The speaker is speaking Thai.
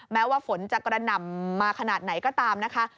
แม้ว่าฝนจะกระหน่ำมาขนาดไหนก็ตามนะคะ